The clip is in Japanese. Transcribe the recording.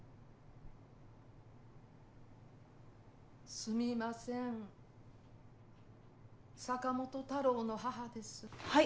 ・すみません・・坂本太郎の母です・はい。